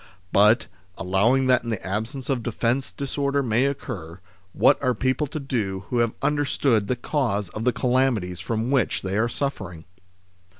But, allowing that in the absence of defence disorder may occur, what are people to do who have understood the cause of the calamities from which they are suffering